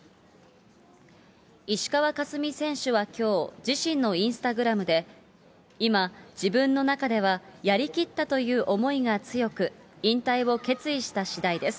石川佳純選手はきょう、自身のインスタグラムで、今、自分の中ではやり切ったという思いが強く、引退を決意したしだいです。